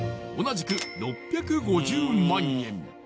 同じく６５０万円